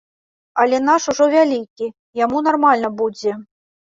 Але наш ужо вялікі, яму нармальна будзе.